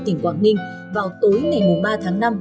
tỉnh quảng đinh vào tối ngày